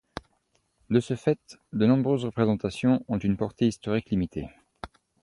De ce fait, de nombreuses représentations ont une portée historique limitée.